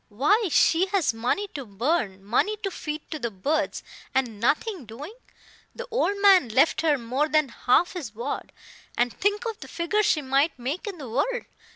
"Why, she has money to burn money to feed to the birds and nothing doing! The old man left her more than half his wad. And think of the figure she might make in the world!